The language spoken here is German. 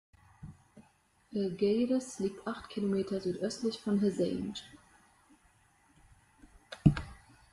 Felgueiras liegt acht Kilometer südöstlich von Resende.